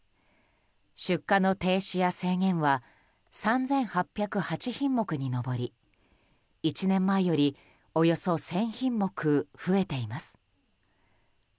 出荷の停止や制限は３８０８品目に上り１年前より、およそ１０００品目増えています。